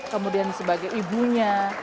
kemudian sebagai ibunya